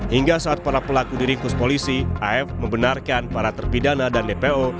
hingga saat para pelaku diringkus polisi af membenarkan para terpidana dan dpo